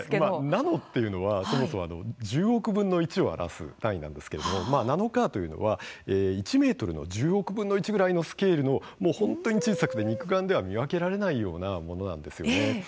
「ナノ」っていうのはそもそも「１０億分の１」を表す単位なんですけどナノカーというのは１ｍの１０億分の１ぐらいのスケールの、もう本当に小さくて肉眼では見分けられないようなものなんですよね。